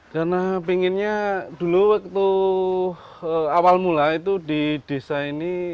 karena pinginnya dulu waktu awal mula itu di desa ini